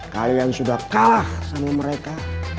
kalian sudah kalah sama mereka